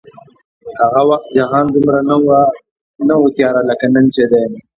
هغه وخت جهان دومره نه و تیاره لکه نن چې دی